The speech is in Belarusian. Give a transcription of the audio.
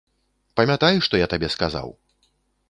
Памятай, што я табе сказаў.